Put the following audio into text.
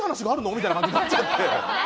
みたいな感じになっちゃって。